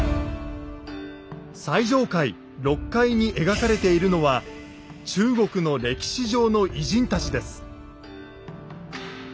最上階６階に描かれているのは中国の歴史上の偉人たちです。